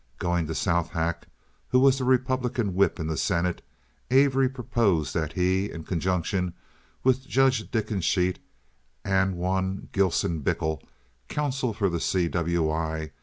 Going to Southack, who was the Republican whip in the senate, Avery proposed that he, in conjunction with Judge Dickensheets and one Gilson Bickel, counsel for the C. W. I.